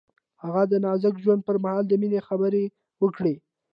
هغه د نازک ژوند پر مهال د مینې خبرې وکړې.